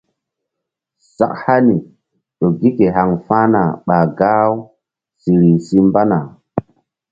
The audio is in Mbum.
Sak hani ƴo gi ke haŋ fa̧hna ɓa gah u siri si mbana.